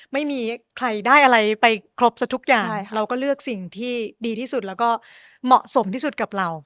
ไม่มีใครได้อะไรไปครบสักทุกอย่างเราก็เลือกสิ่งที่ดีที่สุดแล้วก็เหมาะสมที่สุดกับเรา